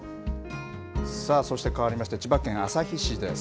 そしてかわりまして、千葉県旭市です。